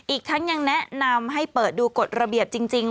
อีกทั้งยังแนะนำให้เปิดดูกฎระเบียบจริง